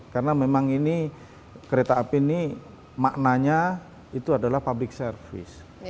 karena memang ini kereta api ini maknanya itu adalah public service